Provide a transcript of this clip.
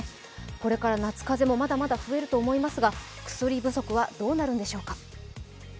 これから夏風邪もまだまだ増えると思いますが、薬不足はどうなるんでしょうか。